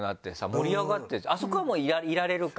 盛り上がってるあそこはもういられるか。